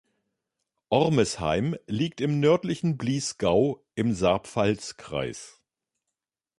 Ormesheim liegt im nördlichen Bliesgau im Saarpfalz-Kreis.